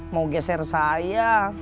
mau geser saya